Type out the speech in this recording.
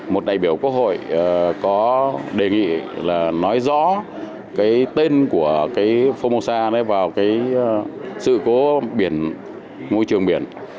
một đại biểu quốc hội có đề nghị là nói rõ cái tên của cái phongmosa vào cái sự cố biển môi trường biển